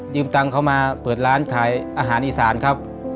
ตังค์เขามาเปิดร้านขายอาหารอีสานครับ